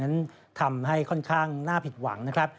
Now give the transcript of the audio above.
นั้นทำให้ค่อนข้างน่าผิดหวังนะครับ